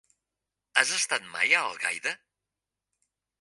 Has estat mai a Algaida?